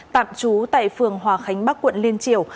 tạm trú tại phường hòa khánh bắc quận liên triều